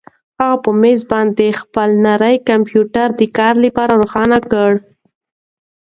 هغه په مېز باندې خپل نری کمپیوټر د کار لپاره روښانه کړ.